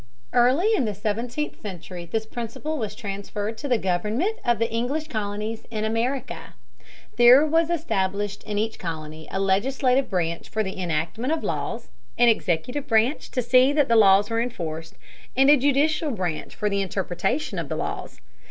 Early in the seventeenth century this principle was transferred to the government of the English colonies in America. There was established in each colony a legislative branch for the enactment of laws, an executive branch to see that the laws were enforced, and a judicial branch for the interpretation of the laws.